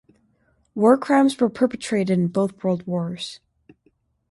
War crimes were perpetrated in both world wars.